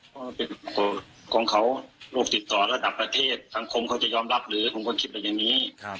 เพราะมันเป็นของเขาโรคติดต่อระดับประเทศสังคมเขาจะยอมรับหรือผมก็คิดเป็นอย่างนี้